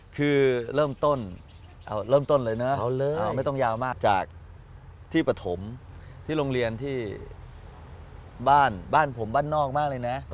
คือเริ่มต้นเลยนะไม่ต้องยาวมากจากที่ปฐมที่โรงเรียนที่บ้านบ้านผมบ้านนอกมากเลยนะ